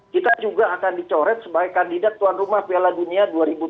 kita juga akan dicoret sebagai kandidat tuan rumah piala dunia dua ribu dua puluh